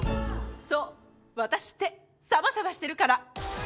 そうワタシってサバサバしてるから！